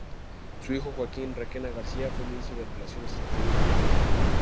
Su hijo, Joaquín Requena García, fue Ministro de Relaciones Exteriores de Uruguay.